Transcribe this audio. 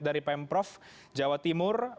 dari pemprov jawa timur